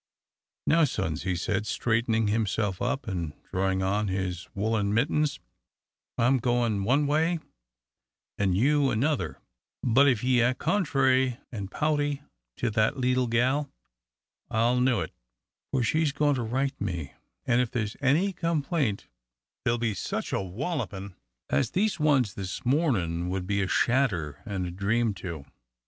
"Now, sons," he said, straightening himself up and drawing on his woollen mittens, "I'm goin' one way an' you another, but if ye act contrairy an' pouty to that leetle gal, I'll know it, for she's goin' to write me, an' if there's any complaint, there'll be such a wallopin' as these ones this mornin' would be a shadder an' a dream to."